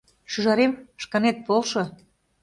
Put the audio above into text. Шӱжарем, шканет полшо!